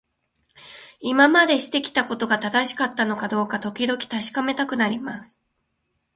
今までしてきたことが正しかったのかどうか、時々確かめたくなります。